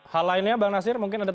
hal lainnya bang nasir mungkin ada